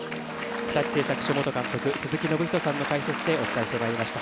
日立製作所元監督鈴木信人さんの解説でお伝えしてまいりました。